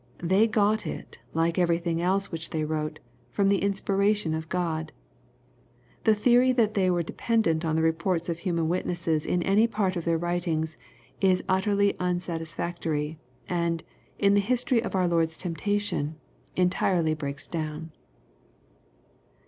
They got it, like everything else which they wrote^ 1 from the inspiration of God. The theory that they were depen* dent on the reports of human witnesses m any part of their writings, is utterly unsatisfactory, and, in the history of our Lord'i temptation, entirely breaks down.